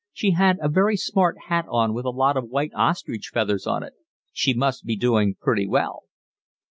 She had a very smart hat on with a lot of white ostrich feathers on it. She must be doing pretty well."